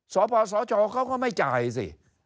สปสชเขาก็ไม่จ่ายสิ